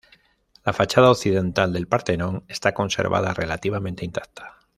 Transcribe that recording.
La fachada occidental del Partenón está conservada relativamente intacta.